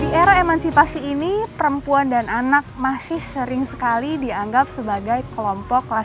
di era emansipasi ini perempuan dan anak masih sering sekali dianggap sebagai kelompok kelas tiga